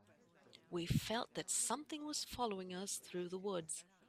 We felt that something was following us through the woods.